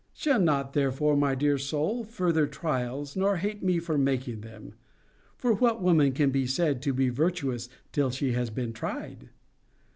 Shun not, therefore, my dear soul, further trials, nor hate me for making them. 'For what woman can be said to be virtuous till she has been tried?